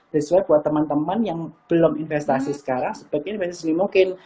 that's why buat teman teman yang belum investasi sekarang sebaiknya investasi sedini mungkin